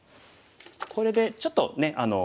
これでちょっとね